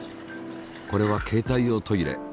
これは携帯用トイレ。